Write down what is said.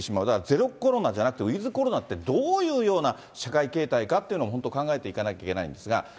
だからゼロコロナじゃなくて、ウィズコロナって、どういうような社会形態かっていうのを本当考えていかなきゃいけないんですが。